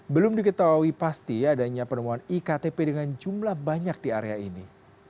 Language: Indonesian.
belum diketahui pasti adanya penemuan iktp dengan jumlah banyak di area ini